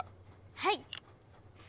はい！